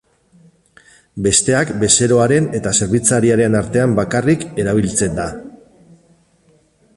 Besteak bezeroaren eta zerbitzariaren artean bakarrik erabiltzen da.